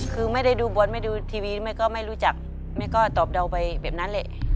คือไม่ได้ดูบอลไม่ดูทีวีแม่ก็ไม่รู้จักแม่ก็ตอบเดาไปแบบนั้นแหละ